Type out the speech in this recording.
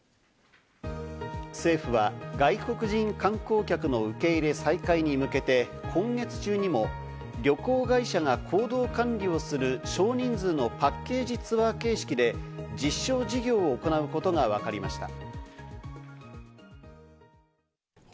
政府は外国人観光客の受け入れ再開に向けて今月中にも旅行会社が行動管理をする少人数のパッケージツアー形式で実証事業を行うことがわかりました。